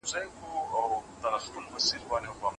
که يوه ميرمن د قسم د حقوقو په مقابل کي د عوض غوښتنه ولري.